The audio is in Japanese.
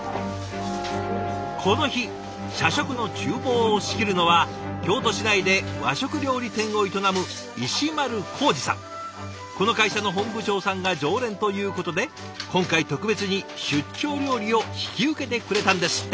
この日社食のちゅう房を仕切るのは京都市内で和食料理店を営むこの会社の本部長さんが常連ということで今回特別に出張料理を引き受けてくれたんですって。